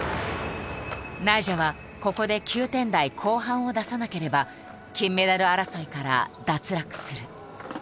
ナイジャはここで９点台後半を出さなければ金メダル争いから脱落する。